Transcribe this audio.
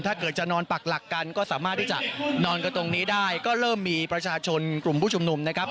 ถ้าเกิดจะนอนปักหลักกันก็สามารถที่จะนอนกันตรงนี้ได้ก็เริ่มมีประชาชนกลุ่มผู้ชุมนุมนะครับ